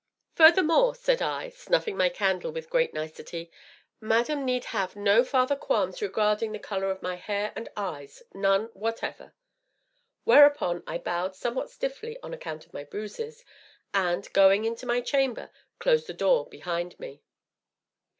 "Furthermore," said I, snuffing my candle with great nicety, "madam need have no further qualms regarding the color of my hair and eyes none whatever." Whereupon I bowed somewhat stiffly on account of my bruises, and, going into my chamber, closed the door behind me.